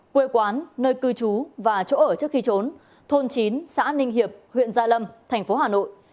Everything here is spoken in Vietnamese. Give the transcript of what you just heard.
quê quán nơi cư trú và chỗ ở trước khi trốn thôn chín xã ninh hiệp huyện gia lâm thành phố hà nội